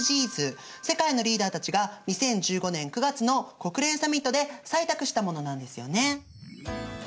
世界のリーダーたちが２０１５年９月の国連サミットで採択したものなんですよね。